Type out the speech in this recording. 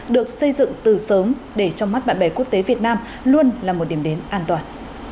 được xây dựng từ sớm để trong mắt bạn bè quốc tế việt nam luôn là một điểm đến an toàn